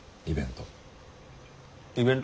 イベント？